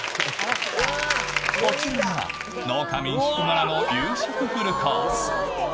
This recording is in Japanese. こちらが、農家民宿ならではの夕食フルコース。